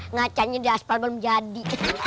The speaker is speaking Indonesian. ngacangnya di aspal belum jadi